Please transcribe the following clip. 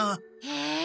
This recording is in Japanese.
へえ。